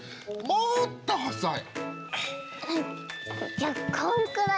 もっと細い。